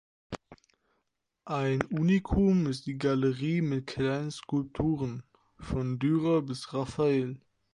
Ein Unikum ist die Galerie mit kleinen Skulpturen von Dürer bis Raffael.